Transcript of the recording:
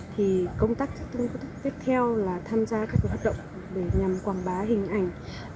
thì công tác tiếp theo là tham gia các hoạt động để nhằm quảng bá hình ảnh